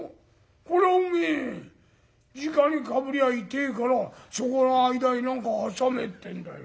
これはおめえじかにかぶりゃ痛えからそこの間に何か挟めってんだよ。